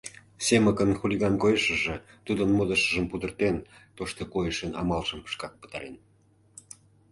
Семыкын хулиган койышыжо тудын модышыжым пудыртен, тошто койышын амалжым шкак пытарен.